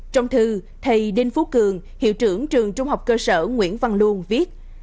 trong thư thầy đinh phú cường hiệu trưởng trường trung học cơ sở nguyễn văn luôn viết